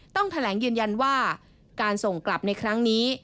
ต้องแถลงยืนยันว่าการส่งกลับในครั้งนี้